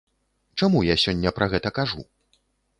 Чаму я сёння пра гэта кажу?